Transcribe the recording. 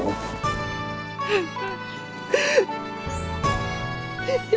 โอ้โฮ